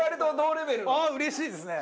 うれしいですね！